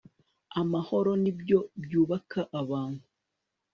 amahoro nibyo byubaka abantu